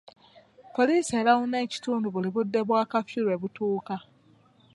Poliisi erawuna ekitundu buli budde bwa kafyu lwe butuuka.